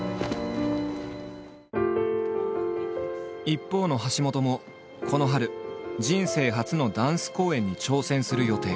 一方の橋本もこの春人生初のダンス公演に挑戦する予定。